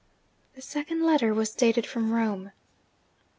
The second letter was dated from Rome.